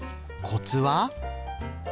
コツは？